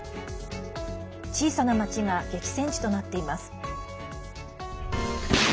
小さな町が激戦地となっています。